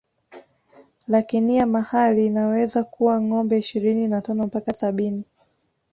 Lakinia mahali inaweza kuwa ngombe ishirini na tano mpaka sabini